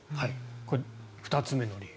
これ２つ目の理由。